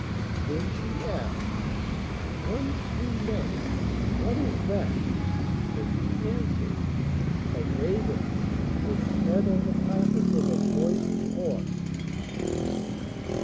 Then she asked: 'One slew none what is that?' and he answered: 'A raven which fed on the carcase of a poisoned horse.